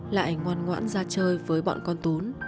lại ngoan ngoãn ra chơi với bọn con tún